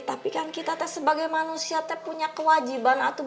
tapi kan kita sebagai manusia teh punya kewajiban atau